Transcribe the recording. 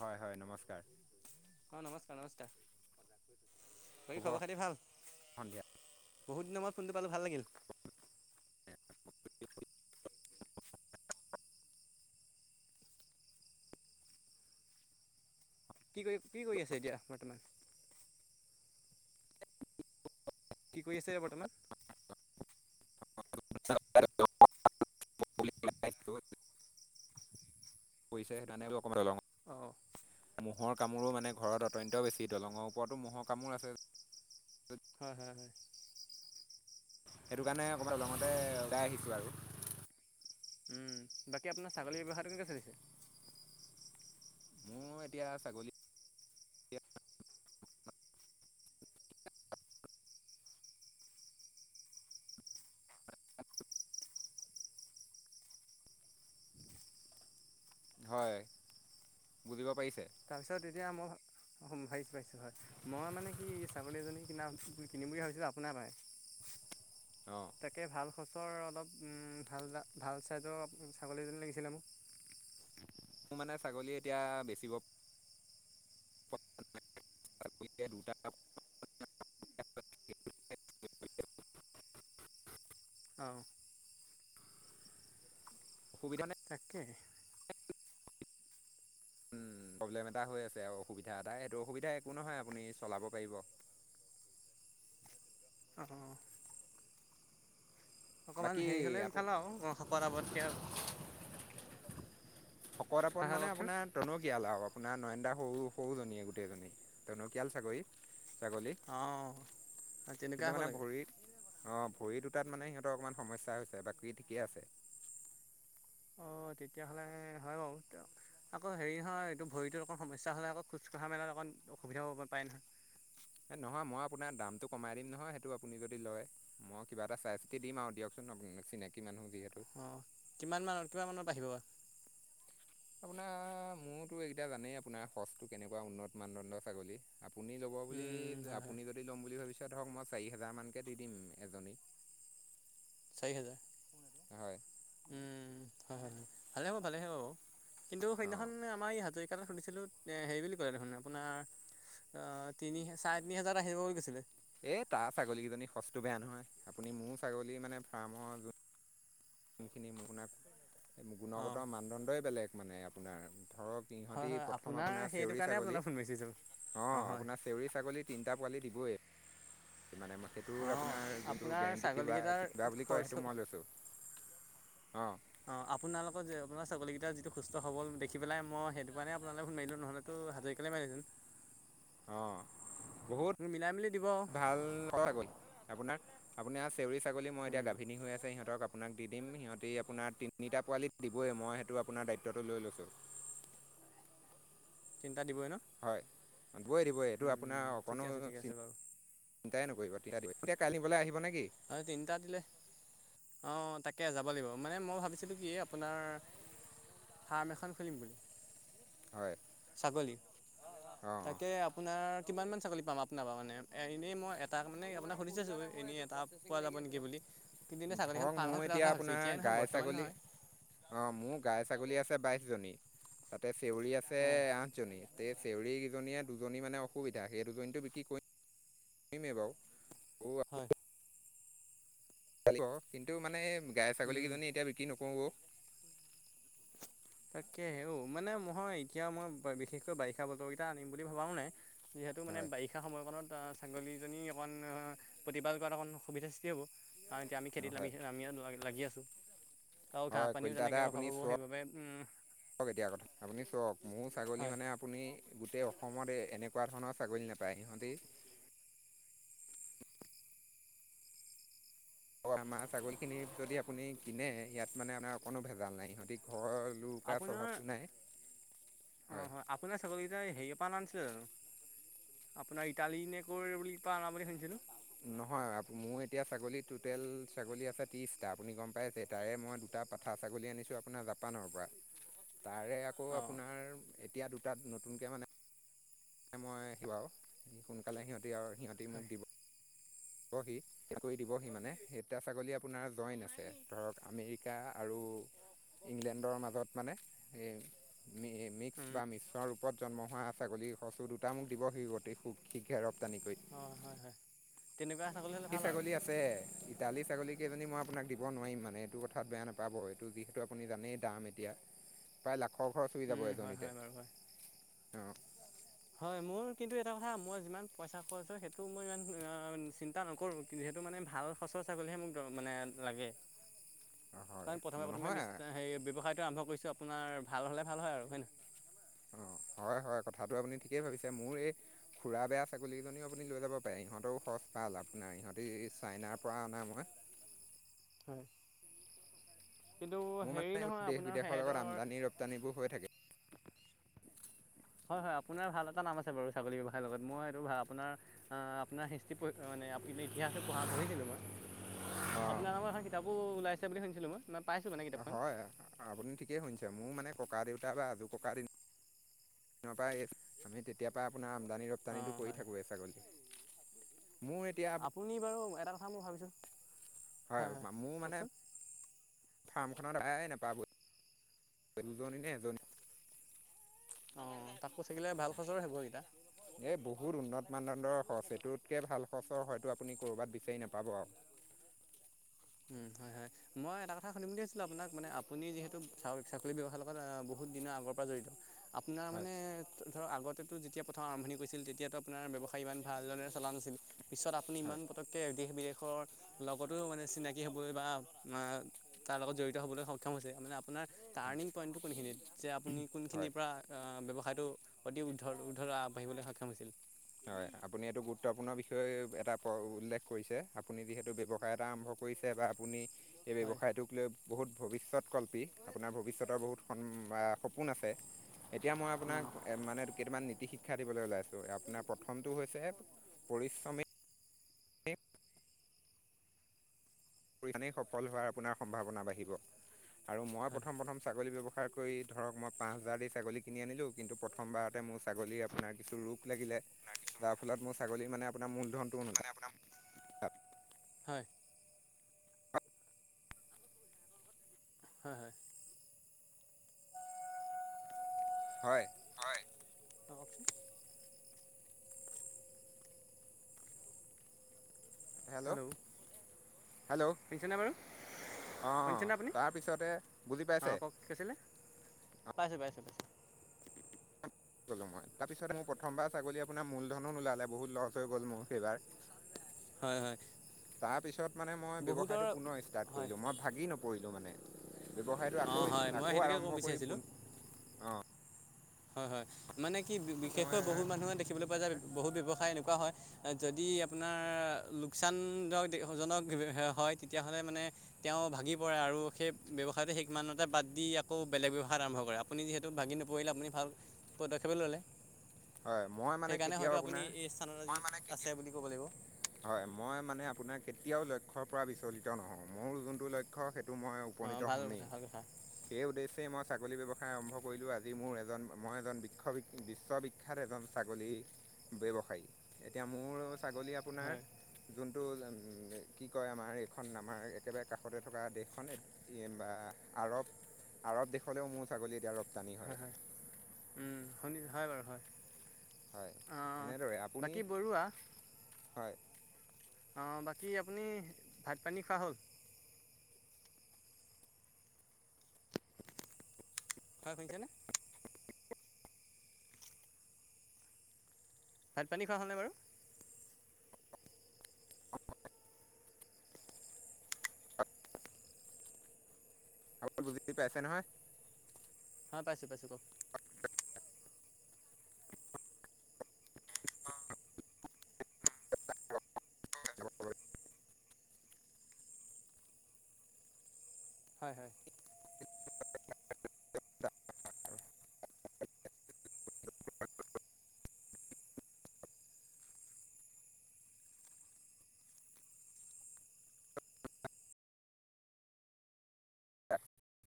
হয় হয় নমস্কাৰ অঁ নমস্কাৰ নমস্কাৰ খ শুভ খবৰ খাতি ভাল সন্ধিয়া বহুত দিনৰ মত ফোনটো পালোঁ ভাল লাগিল [unintelligible] [inaudible] কি কৰি কি কৰি আছে এতিয়া বৰ্তমান কি কৰি আছে বৰ্তমান [unintelligible] [inaudible] পইচা সেইটো অকম ল। [unintelligible] অ মহৰ কামোৰো মানে ঘৰত অত্যন্ত বেছি দলঙৰ ওপৰতো ম'হৰ কামোৰ আছে। হয় হয় হয় সেইটো কাৰণে অকণমাদলঙতে লগাই আহিছোঁ আৰু। উম বাকী আপোনাৰ ছাগলীৰ ব্যৱহাৰ কেনেকে চলিছে। মোৰ এতিয়া ছাগলী। হয় বুজিব পাৰিছ। তাৰপিছত এতিয়া মই। অ ভিছো ভাইিছো হয় মই মানে কি ছাগলী এজনী কিনা কিনিম বুলি ভাবিছিলো আপোনাৰ অ পৰাই। তাকে ভাল। খচৰ অলপ ভাল ভাল চাইজৰ ছাগলীজনী লাগিছিলে মোক। মোৰ মানে ছাগলী এতিয়া বেচিব। [inaudible] [unintelligible] [inaudible] অ অসুবিধা নে তাকে। প্ৰব্লেম এটা হৈ আছে আৰু অসুবিধা এটা সেইটো অসুবিধা একো নহয় আপুনি চলাব পাৰিব। [unintelligible] [unintelligible] [inaudible] অ বাকী অকণমান হেৰি আপো হ'লেফাল আৰু শকত আৱতকৈ আৰু। শকত হয় আপত হয় মানে কওকচোন আপোনাৰ টনকিয়ালক? আপোনা নয়নন্দা সৰু সৰুজনীয়ে গোটেই জনী তনকিয়াল চাকৰি। ছাগলী অঁ তেনেকুৱা কিন্তু হ'ব মানে লাগে ভৰিত অ ভৰি দুটাত মানে সিহঁতৰ অকমান সমস্যা হৈছে বাকী ঠিকে আছে। অঁ তেতিয়াহ'লে হয় বাৰু আকৌ হেৰি নহয় এইটো ভৰিটোত অকণ সমস্যা হ'লে আকৌ খোজ কঢ়া মেলা অকণ অসুবিধাও পায় নহয়। এই নহয় মই আপোনাৰ দামটো কমাই দিম নহয় সেইটো আপুনি যদি লয় মই কিবা এটা চাই চিতি দিম আৰু দিয়কচোন? চিনাকি মানুহ। যিহেতু। অ কিমান মানত কিমান মানত আহিব। আপোনাৰ মোৰতো এইকেইটা জানেই আপোনাৰ সচটো কেনেকোৱা উন্নত মানদণ্ডৰ ছাগলী আপুনি ল'ব বুলি হয় হয় আপুনি যদি ল'ম বুলি ভাবিছে ধওক মই চাৰি হোজাৰ মানকে দি দিম এজনীত। চাৰি হেজাৰ হয় উম হয় হয় হয় ভালে হ'ব ভালে হব বাও কিন্তু অ' সেইদিনাখন আমাৰ এই হাজ টা শুধিছিলোঁ হেৰি বুলি ক'লে দেখোন আপোনাৰ আ তিনি চাৰে তিনি হোজাৰত আহিব বুলি কৈছিলে? এই তাৰ ছাগলীকেইজনী সঁচটো বেয়া নহয় আপুনি মোৰ ছাগলী মানে ফাৰ্মৰ যোন কামখিনি আপোনাক অঁ গুণগত মানদণ্ডই বেলেগ মানে আপোনাৰ। ধৰক হয় ইহঁতি হয় প্ৰথম আপোনাৰ সেইটো চেউৰী কাৰণে আপোনালৈ ছাগলী ফোন মাৰিছিলোঁ অ অঁ হয় আপোনাৰ চেউৰী ছাগলী তিনিটা পোৱালি দিবই। মানে মই সেইটোৰ অঁ আপোনাৰ যোনটো আপোনাৰ গেৰেণ্টি বা ছাগলীকেইটাৰ কিবা বুলি কয় খৰচ সেইটো মই লৈছো? [unintelligible] অ আপোনালোকৰ যে আপোনাৰ ছাগলী কেইটা যিটো সুস্থ হবল দেখি পাই মই সেইটো কাৰণে আপোনালে ফোন মাৰিলো নহলেতো? হাজৰিকালে মাৰিলোহেতেন অ বহুত মেলি দিব ভাল কথা গল। আপোনাক আপোনাৰ চেউৰী ছাগলী মই এতিয়া উম গাভিনী হৈ আছে সিহঁতক আপোনাক দি দিম সিহঁতি আপোনাৰ তিনিটা পোৱালিত দিবই মই সেইটো আপোনাৰ দায়িত্বটো লৈ লৈছো? [unintelligible] এটা দিবই ন? হয় দিবই দিবই এইটো আপোনাৰ উম অকণো ঠিকে আছে ঠিকে আছে বাৰু চিন্তাই নকৰিব। তেতিয়া দিব তেতিয়া কাইলৈ নিবলে আহিব নে? হয় তিনিটা দিলে। অ, তাকে যাব লাগিব। মানে মই ভাবিছিলোঁ কি আপোনাৰ ফাৰ্ম এখন খুলিম বুলি। হয় ছাগলী, অঁ অঁ তাকে আপোনাৰ কিমান মান ছাগলী পাম আপোনাৰ পৰা মানে। মানে এনেই মই এটা মানে আপোনাক সুধি চাইছো এনেই এটা পোৱা যাব নেকি বুলি কিন্তু এনেই ছাগলীখন ধৰক ফাৰ্ম মোৰ এখন খোলা এতিয়া কথা ভাবিছোঁ আপোনাৰ এতিয়াই নহয় গাই বৰ্তমান ছাগলী অ, নহয় মোৰ গাই ছাগলী আছে বাইশ জনী তাতে চেউৰী আছে অঁ আঠজনী। তে চেউৰীকেইজনী মানে দুজনী মানে অসুবিধা সেই দুজনীতো বিক্ৰী কৰিম কৰিমে বাও। হয়। কিন্তু মানে গাই উম ছাগলীকেইজনী এতিয়া বিক্ৰী নকৰো। তাকে হেও মানে ময় এতিয়া মই বিশেষকৈ বাৰিষা বতৰকেইটা আনিম বুলি ভাবাও নাই। যিহেতু মানে হয় বাৰিষা সময়কণত ছাগলীজনী অকণ প্ৰতিপাল কৰাত অকণমান সুবিধাৰ সৃষ্টি হ'ব। কাৰণ এতিয়া আমি অঁ, খেতিত হয় নামি লাগি আছো। আৰু ঘাঁহ পানীও তেনেকে অভাৱ হ'ব সেইবাবে, চক এতিয়া কথা আপুনি চওক ছাগলী হয় মানে আপুনি গোটেই অসমত এনেকোৱা ধৰণৰ ছাগলী নাপায় সিহঁতি আৰু আমাৰ ছাগলীখিনি যদি আপুনি কিনে ইয়াত মানে আমাৰ অকণো ভেজাল নাই। সিহঁতি ঘৰৰ- লোকা স্বভাৱটো নাই। অ, হয় আপোনাৰ ছাগলী কেইটা হেৰি অ পৰা অনা নাছিলে জানো? আপোনাৰ ইটালী নে কৰ বুলি পা অনা বুলি শুনিছিলো? নহয় মোৰ এতিয়া ছাগলী টটেল ছাগলী আছে ত্ৰিশটা। আপুনি গম পাইছে তাৰে মই এটা পাঠা ছাগলী আনিছোঁ আপোনাৰ জাপানৰ পৰা। তাৰে আকৌ অঁ আপোনাৰ এতিয়া দুটাত নতুনকৈ মানে মই আহি বাৰু সোনকালে সিহঁতে আৰু সিহঁতি হয় মোক দিব। দিবহি এক দিবহি মানে এতিয়া ছাগলী আপোনাৰ জইন আছে ধৰক আমেৰিকা আৰু [inaudible] ইংলেণ্ডৰ মাজত মানে এ মিক্স বা মিশৰ ৰূপত জন্ম হোৱা ছাগলী। সচু দুটা মোক দিব। সি গটেইু শীঘ্ৰে ৰপ্তানিক কৰি। হয়, হয়, হয়। তেনেকুৱা ছাগলী হ'লে ভাল আৰু ছাগলী আছে ইটালী ছাগলীকেইজনী মই আপোনাক দিব নোৱাৰিম মানে। মানে এইটো কঠাত বেয়া নাপাব এইটো যিহেটো আপুনি জানেই দাম এতিয়া ইয়া পাই খৰ ঘৰ চবি যাব হয় এজনীতে। হয় বাৰু হয় অঁ, হয়, মোৰ কিন্তু এটা কথা মই যিমান পইচা খৰচ হয়, সেইটো মই ইমান চিন্তা নকৰোঁ। সেইটো মানে ভাল সচৰ ছাগলীহে মোক মানে লাগে। অঁ হয় কাৰণ প্ৰথমে প্ৰথমে নহয় ব্যৱসায় আৰম্ভ কৰিছোঁ আপোনাৰ ভাল হলে ভাল হয় আৰু হয় নে নহয়? অ। হয়, হয় কথাটো আপুনি ঠিকেই ভাবিছে। মোৰ এই খুৰা বেয়া ছাগলী কিজনীও আপুনি লৈ যাব পাৰে। ইহঁতেও সচ পা আপোনাৰ ইহঁতে চাইনাৰ পৰা অনা মই। হয়। কিন্তু মোৰ মানে হেৰি নহয় দেশ আপোনাৰ বিদেশৰ লগত সিহঁতৰ আমদানি ৰপ্তানিবোৰ হৈ থাকে হয়, হয় আপোনাৰ ভাল এটা নাম আছে বাৰু ছাগলী ব্যৱসায়ৰ লগত। মই এইটো ভাল আপোনাৰ আহ আপোনাৰ হিষ্ট মানে ইতিহাসটো পঢ়া পঢ়িছিলোঁ মই। অঁ আপোনাৰ নামৰ এখন কিতাপো ওলাইছে বুলি শুনিছিলোঁ মই। মই পাইছোঁ মানে কিতাপখন। হয় আপুনি ঠিকেই শুনিছে মোৰ মানে ককা-দেউতা বা আজো ককা দিনৰ দিনৰ পৰা আমি তেতিয়া পৰা আপোনাৰ আমদানি ৰপ্তানিটো অঁ কৰি হয় থাকোয়ে ছাগলী। মোৰ এতিয়া আপুনি বাৰু এটা কথা মই ভাবিছোঁ। হয়, মোৰ মানে, ফাৰ্মখনত আ নাপাবই দুজনীনে এজনী অঁ তাকো চাগিলে ভাল সচৰে হ'ব এইকেইটা এই বহুত উন্নত। মানদণ্ডৰ সচ এইটোতকে ভাল সচৰ হয়তো আপুনি কৰ'বাত বিচাৰি নাপাব আৰু উম হয় হয় মই এটা কথা শুধিম বুলি ভিছিলো আপোনাক মানে আপুনি যিহেতু চা ছাগলী ব্যৱসায়ৰ লগত বহু বহুত দিনৰ আগৰ পৰা জড়িত আপোনাৰ হয় মানে ধৰক আগতে যেতিয়া প্ৰথাৰ আৰম্ভি কৰিছিল তেতিয়াটো আপোনাৰ ব্যৱহা ইমান ভাল দৰে চলা নাছিল পিছত আপুনি হয় ইমান পতকে দেশ বিদেশৰ লগতো মানে চিনাকি। কিহে কৰিবা তাৰ লগত জড়িত হ'বলৈ সক্ষম হৈছে মানে আপোনাৰ হয় তাৰনিং পইন্ট কোনখিনিত। যে আপুনি হয়। কোনখিনিৰ পৰা ব্যৱসায়টো অতি উদ্ধ উদ্ধৰা আগবাঢ়িবলৈ সক্ষম হৈছিল। হয়। আপুনি এইটো গুৰুত্বপূৰ্ণ বিষয়ে এটা উল্লেখ কৰিছে আপুনি যিহেতু ব্যৱসায় এটা আৰম্ভ কৰিছে বা আপুনি এই হয়, ব্যৱসায়টোক লৈ বহুত ভৱিষ্যত কল্পী আপোনাৰ ভৱিষ্যতৰ বহুত সপোন আছে। এতিয়া মই আপোনাক হয়, মানে কেইটামান নীতি- শিক্ষা দিবলৈ ওলাই আছোঁ আপোনাৰ প্ৰথম টো হৈছে পৰিশ্ৰমিক। পৰিধানেই সফল হোৱাৰ আপোনাৰ সম্ভাৱনা বাঢ়িব আৰু মই হয়, প্ৰথম প্ৰথম ছাগলী ব্যৱ পাৰ কৰি ধৰক মই পাঁচ হাজাৰ ছাগলী কিনি আনিলোঁ কিন্তু প্ৰথমবাৰতে মোৰ ছাগলীৰ আপোনাৰ কিছু ৰোগ লাগিলে। যাৰ ফলত মোৰ ছাগলী মানে আপোনাৰ মূলধনটো নোলায়। হয়। হয় হয়। হয়। অঁ কওকচোন হেল্ল' হেল্ল' শুনিছেনে বাৰু? অঁ শুনিছেনে আপুনি তাৰপিছতে বুজি অ পাইছে কওক কি কৈছিলে? পাইছো পাইছো। গ'লোঁ মই তাৰপিছত মোৰ প্ৰথবাৰ ছাগলী আপোনাৰ মূলধনো ওলালে বহুত লছ হৈ গ'ল মোৰ সেইবাৰ। হয় হয় তাৰ পিছত মানে মই বহুতৰ ব্যৱসায়টো পুনৰ ষ্টাৰ্ট হয় কৰিলো মই ভাগি নপ পৰিলোঁ মানে ব্যৱসায়টো অ আকৌ হয় মই আকৌ সেইটোকে ক'ব আৰম্ভ কৰি বিচাৰিছিলোঁ পোন অঁ। হয় হয় মানে কি মই বিশেষকৈ বহুত মানুহে দেখিবলৈ পোৱা যায় বহুত ব্যয়ৱসায় এনেকুৱা হয়। যদি আপোনাৰ লোকচানকজনক হয় তেতিয়াহলে মানে তেওঁ ভাগি পৰে আৰু সেই ব্যৱসায়টো সেইমানতে বাদ দি আকৌ বেলেগ ব্যৱসায় আৰম্ভ কৰে আপুনি যিহেতু ভাগি নপৰিলে আপুনি ভাল পদক্ষেপে ল'লে। হয় মই মানে সেইকাৰণে কেতিয়াও হয়তো আপুনি আপোনাৰ এই স্থানত মানে আছে বুলি ক'ব লাগিব। হয় মই মানে আপোনাৰ কেতিয়াও লক্ষ্যৰ পৰা বিচলিত নহওঁ মোৰ যোনটো লক্ষ্য সেই মই অঁ উপনীত ভাল হমেই কথা ভাল কথা সেই উদ্দেশ্যে মই ছাগলী ব্যৱসায় আৰম্ভ কৰিলোঁ আজি মোৰ এজন মই এজন বিশ বিশ্ববিখ্যাত এজন ছাগলী। ব্যৱসায়ী এতিয়া মোৰ ছাগলী আপোনাৰ হয় যোন [inaudible] কি কয় আমাৰ এইখন আমাৰ একেবাৰে কাষতে থকা দেশখনে বা আৰৱ। আৰৱ দেশলৈও মোৰ ছাগলী দিয়া আৰু হয় হয় উ শুনি হয় বাৰু হয়। হয় এনেদৰে আপুনি বাকী বৰুৱা হয়। অঁ বাকী আপুনি ভাত পানী খোৱা হ'ল। হয় শুনিছেনে। ভাত পানী খোৱা হ'ল নে বাৰু। হেল্ল বুজি পাইছে নহয়। হা পাইছো পাইছো কওক। [unintelligible] হয় হয়। [unintelligible] অ [inaudible]